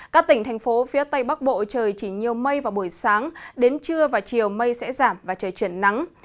các tỉnh thành phố phía tây bắc bộ trời chỉ nhiều mây vào buổi sáng đến trưa và chiều mây sẽ giảm và trời chuyển nắng